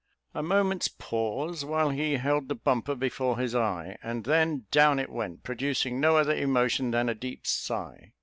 A moment's pause, while he held the bumper before his eye, and then, down it went, producing no other emotion than a deep sigh.